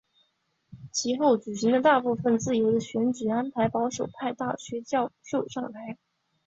其后举行的大部分自由的选举安排保守派大学教授上台。